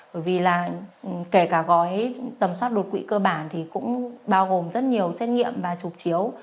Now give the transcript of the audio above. bởi vì là kể cả gói tầm soát đột quỵ cơ bản thì cũng bao gồm rất nhiều xét nghiệm và trục chiếu